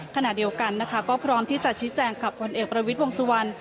ขณะเดียวกันนะคะก็พร้อมที่จะชี้แจงกับผลเอกประวิทย์วงสุวรรณ